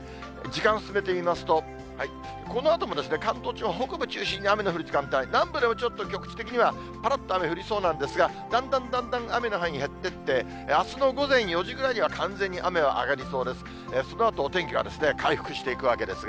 時間進めてみますと、このあとも関東地方、北部中心に雨の降る時間帯、南部ではちょっと局地的にはぱらっと雨、降りそうなんですが、だんだんだんだん雨の範囲減っていって、あすの午前４時ぐらいには完全に雨は上がりそうです。